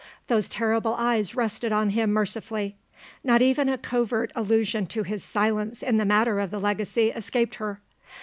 Those terrible eyes rested on him mercifully. Not even a covert allusion to his silence in the matter of the legacy escaped her.